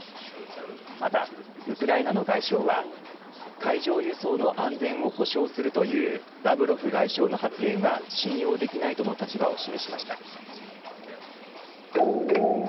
またウクライナの外相は海上輸送の安全を保証するというラブロフ外相の発言は信用できないとの立場を示しました。